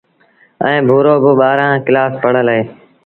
ائيٚݩ ڀورو با ٻآهرآݩ ڪلآس پڙهل اهي۔